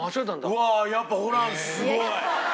うわあやっぱホランすごい。